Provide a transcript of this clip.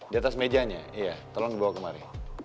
di atas mejanya iya tolong dibawa kemari